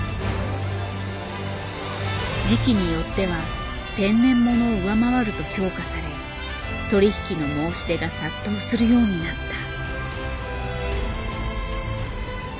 時期によっては天然物を上回ると評価され取り引きの申し出が殺到するようになった。